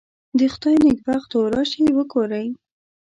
د خدای نېکبختو راشئ وګورئ.